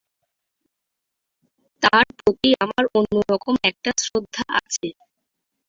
তাঁর প্রতি আমার অন্য রকম একটা শ্রদ্ধা আছে।